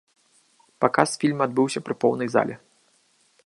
Паказ фільма адбыўся пры поўнай зале.